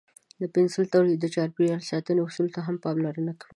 د پنسل تولید د چاپیریال ساتنې اصولو ته هم پاملرنه کوي.